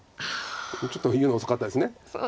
ちょっと言うの遅かったです。